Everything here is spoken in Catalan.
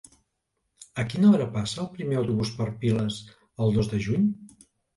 A quina hora passa el primer autobús per Piles el dos de juny?